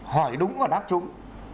hỏi đúng và đáp trúng